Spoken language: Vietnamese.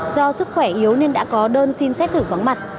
do sức khỏe yếu nên đã có đơn xin xét xử vắng mặt